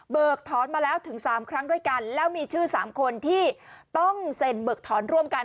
ถอนมาแล้วถึง๓ครั้งด้วยกันแล้วมีชื่อ๓คนที่ต้องเซ็นเบิกถอนร่วมกัน